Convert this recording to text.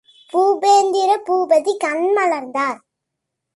பூபேந்திர பூபதி கண் மலர்ந்தார்.